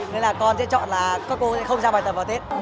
nên là con sẽ chọn là các cô không giao bài tập vào tết